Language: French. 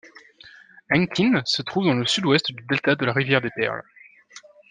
Hengqin se trouve dans le sud-ouest du delta de la rivière des Perles.